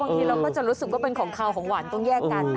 บางทีเราก็จะรู้สึกว่าเป็นของขาวของหวานต้องแยกกัน